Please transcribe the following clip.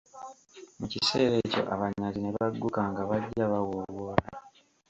Mu kiseera ekyo abanyazi ne bagguka nga bajja bawoowoola.